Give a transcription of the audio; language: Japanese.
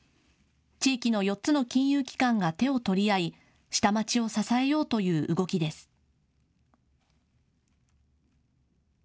地域の４つの金融機関が手を取り合い下町を支えようという動きです。